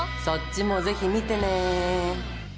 そっちもぜひ見てね。